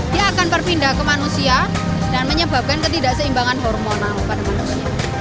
dia akan berpindah ke manusia dan menyebabkan ketidakseimbangan hormonal pada manusia